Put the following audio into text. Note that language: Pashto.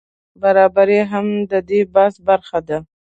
برابري هم د دې بحث برخه ده.